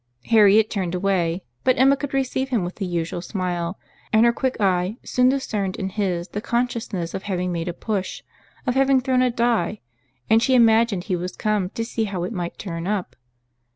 Harriet turned away; but Emma could receive him with the usual smile, and her quick eye soon discerned in his the consciousness of having made a push—of having thrown a die; and she imagined he was come to see how it might turn up.